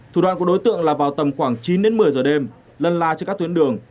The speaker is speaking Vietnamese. thủ đoạn của đối tượng là vào tầm khoảng chín đến một mươi giờ đêm lân la trên các tuyến đường